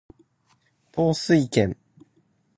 統帥権